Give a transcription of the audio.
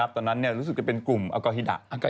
ตอนนั้นรู้สึกจะเป็นกลุ่มอากอฮิดะ